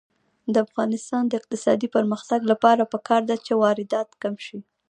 د افغانستان د اقتصادي پرمختګ لپاره پکار ده چې واردات کم شي.